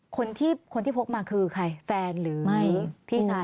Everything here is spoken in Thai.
คนที่พบมาคือใครแฟนหรือพี่ชาย